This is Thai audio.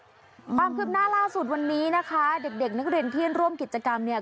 ความคืบหน้าล่าสุดวันนี้นะคะเด็กเด็กนักเรียนที่ร่วมกิจกรรมเนี่ย